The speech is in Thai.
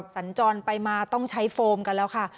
สัญจรไปมาต้องใช้โฟมกันแล้วค่ะ